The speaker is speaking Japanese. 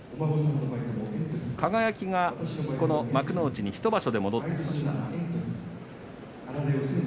輝が幕内１場所で戻ってきました。